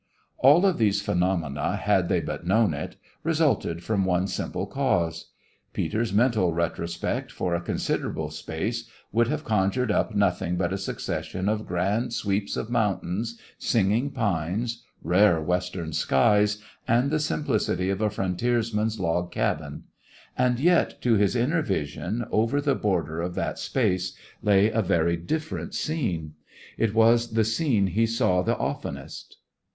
All of these phenomena, had they but known it, resulted from one simple cause. Peter's mental retrospect for a considerable space would have conjured up nothing but a succession of grand sweeps of mountains, singing pines, rare western skies, and the simplicity of a frontiersman's log cabin; and yet to his inner vision over the border of that space lay a very different scene. It was the scene he saw the oftenest.